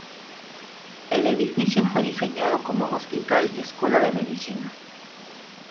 El edificio fue diseñado como un hospital y escuela de medicina.